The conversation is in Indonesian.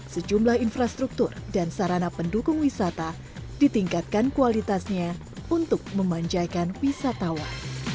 sejumlah infrastruktur dan sarana pendukung wisata ditingkatkan kualitasnya untuk memanjakan wisatawan